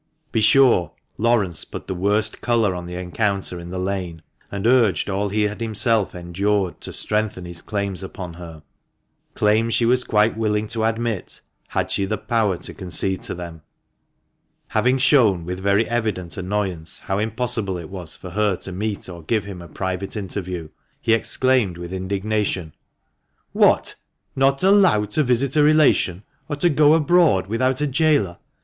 Be sure Laurence put the worst colour on the encounter in the lane, and urged all he had himself endured to strengthen his claims upon her — claims she was quite willing to admit, had she the power to concede to them. Having shown with very evident annoyance, how impossible it was for her to meet or give him a private interview, he exclaimed with indignation —" What ! not allowed to visit a relation, or to go abroad without a gaoler